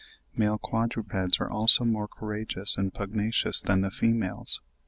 Male quadrupeds are also more courageous and pugnacious than the females.